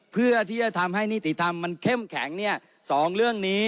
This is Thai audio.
เพื่อที่จะทำให้นิติธรรมมันเข้มแข็ง๒เรื่องนี้